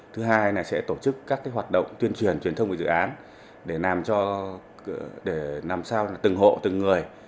thứ hai sẽ tổ chức các hoạt động tuyên truyền truyền thông về dự án để làm sao từng hộ từng người